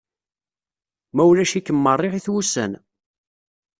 Ma ulac-ikem meṛṛeɣit wussan!